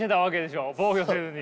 防御せずに。